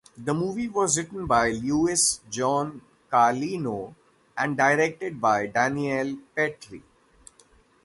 The movie was written by Lewis John Carlino and directed by Daniel Petrie.